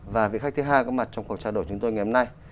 và vị khách thứ hai có mặt trong cuộc trao đổi chúng tôi ngày hôm nay